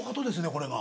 これが。